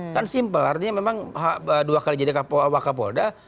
kan simpel artinya memang dua kali jadi wak kapolda